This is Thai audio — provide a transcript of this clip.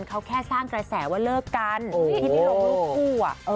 เขาแค่สร้างกระแสว่าเลิกกันที่ได้ลงรูปคู่